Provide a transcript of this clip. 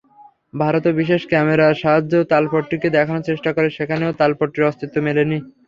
ভারতও বিশেষ ক্যামেরার সাহায্যে তালপট্টিকে দেখানোর চেষ্টা করে, সেখানেও তালপট্টির অস্তিত্ব মেলেনি।